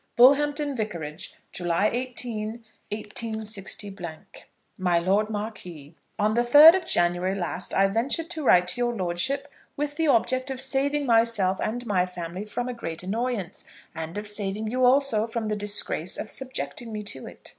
Bullhampton Vicarage, July 18, 186 . MY LORD MARQUIS, On the 3rd of January last I ventured to write to your lordship with the object of saving myself and my family from a great annoyance, and of saving you also from the disgrace of subjecting me to it.